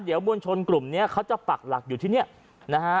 เดี๋ยวมวลชนกลุ่มนี้เขาจะปักหลักอยู่ที่เนี่ยนะฮะ